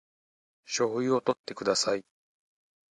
醤油をとってください